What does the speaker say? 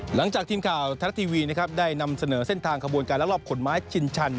หลังจากทีมข่าวไทยรัฐทีวีนะครับได้นำเสนอเส้นทางขบวนการลักลอบขนไม้ชินชัน